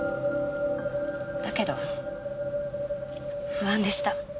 だけど不安でした。